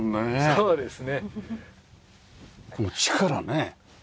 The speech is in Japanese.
そうですね。